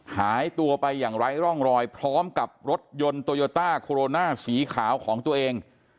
หายตัวไปอย่างไร้ร่องรอยพร้อมกับรถยนต์โตโยต้าโคโรนาสีขาวของตัวเอง